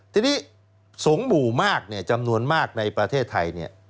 ทีนี้๒หมู่มากจำนวนมากในประเทศไทย